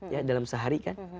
ya dalam sehari kan